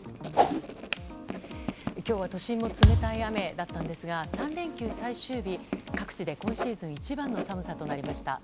今日は都心も冷たい雨だったんですが３連休最終日、各地で今シーズン一番の寒さとなりました。